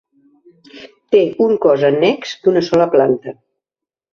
Té un cos annex d'una sola planta.